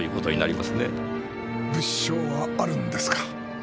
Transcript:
物証はあるんですか？